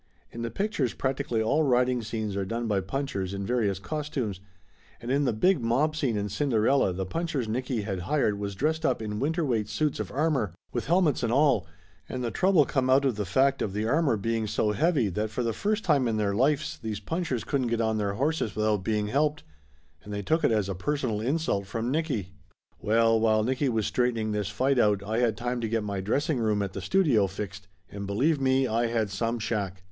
In the pictures practically all riding scenes are done by punchers in various costumes, and in the big mob scene in Cinderella the punchers Nicky had hired was dressed up in winter weight suits of Laughter Limited 203 armor, with helmets and all, and the trouble come out of the fact of the armor being so heavy that for the first time in their lifes these ptfnchers couldn't get on their horses without being helped, and they took it as a personal insult from Nicky. Well, while Nicky was straightening this fight out I had time to get my dressing room at the studio fixed, and believe me, I had some shack.